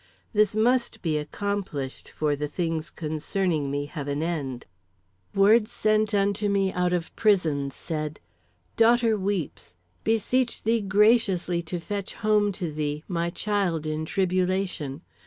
"This must be accomplished, for the things concerning me have an end. "Words sent unto me out of prison, said: 'Daughter weep(s). Beseech thee graciously to fetch home to thee my child in tribulation.